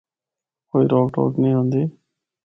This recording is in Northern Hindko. کوئی روک ٹوک نیں ہوندی۔